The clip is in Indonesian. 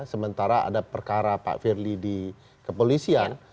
sementara ada perkara pak firly di kepolisian